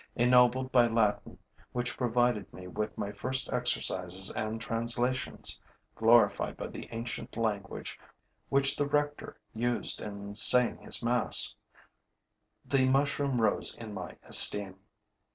Ennobled by Latin which provided me with my first exercises and translations, glorified by the ancient language which the rector used in saying his mass, the mushroom rose in my esteem.